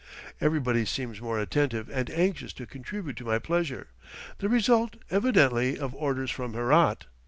Everybody seems more attentive and anxious to contribute to my pleasure, the result, evidently, of orders from Herat.